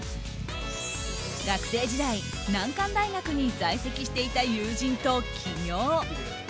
学生時代、難関大学に在籍していた友人と起業。